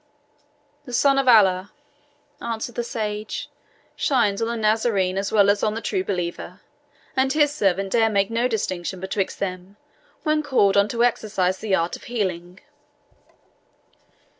"The sun of Allah," answered the sage, "shines on the Nazarene as well as on the true believer, and His servant dare make no distinction betwixt them when called on to exercise the art of healing."